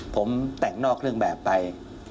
ผมแต่งนอกเครื่องแบบไป